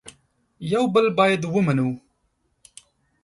یو بل باید ومنو